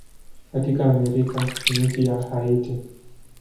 Katika Amerika ni nchi ya Haiti.